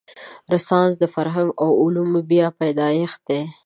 رنسانس د فرهنګ او علومو بیا پیدایښت دی.